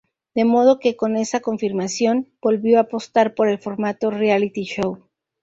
De modo que, con esa confirmación, volvió a apostar por el formato "reality show".